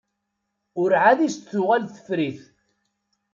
Ur εad i s-d-tuɣal tefrit.